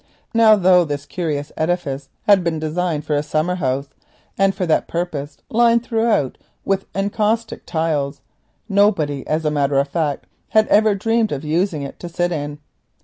Now, though this curious edifice had been designed for a summer house, and for that purpose lined throughout with encaustic tiles, nobody as a matter of fact had ever dreamed of using it to sit in.